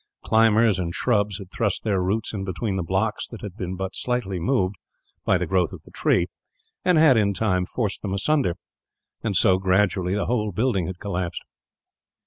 Climbers and shrubs had thrust their roots in between the blocks that had been but slightly moved, by the growth of the tree; and had, in time, forced them asunder; and so, gradually, the whole building had collapsed.